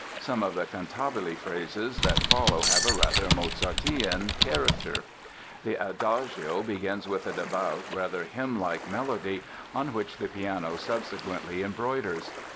Some of the cantabile phrases that follow have a rather Mozartean character. The Adagio begins with a devout, rather hymnlike melody, on which the piano subsequently embroiders.